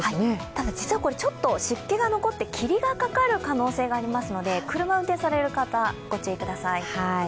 ただ実はこれ、ちょっと湿気が残って霧がかかる可能性がありますので車運転される方、ご注意ください。